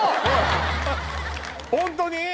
本当に？